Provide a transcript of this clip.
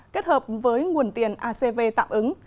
kết hợp với nguồn tiền acv tạo ứng